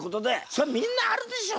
そりゃみんなあるでしょ